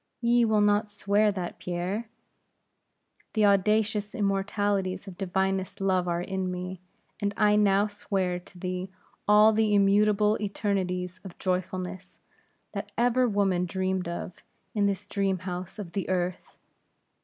Ye will not swear that, Pierre?" "The audacious immortalities of divinest love are in me; and I now swear to thee all the immutable eternities of joyfulness, that ever woman dreamed of, in this dream house of the earth.